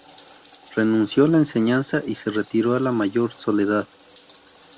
Renunció a la enseñanza y se retiró a la mayor soledad.